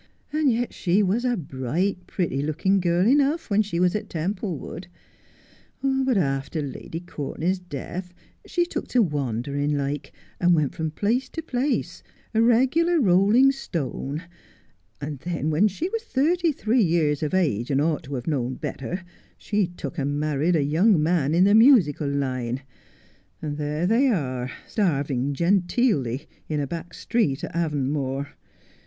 And yet she was a bright, pretty looking girl enough when she was at Templewood. But after Lady Courtenay's death she took to wandering like, and went from place to place, a regular rolling stone, and then when she was thirty three years of age, and ought to have known better, she took and married a young man in the musical line, and there they are starving genteelly in a back street at Avonmore.